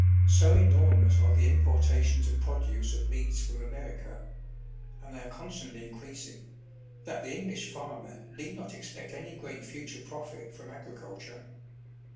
So enormous are the importations of produce and meats from America, — and they are constantly increasing, — that the English farmer need not expect any great future profit from agriculture.